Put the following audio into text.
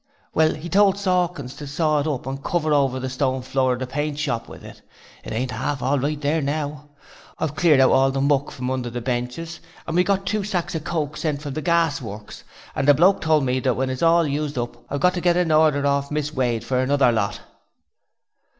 'Well, 'e told Sawkins to saw it up and cover over the stone floor of the paint shop with it. It ain't 'arf all right there now. I've cleared out all the muck from under the benches and we've got two sacks of coke sent from the gas works, and the Bloke told me when that's all used up I've got to get a order orf Miss Wade for another lot.'